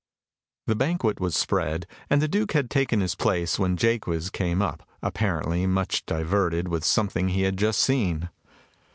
The banquet was spread, and the Duke had taken his place, when Jaques came up, apparently much diverted with something he had just seen.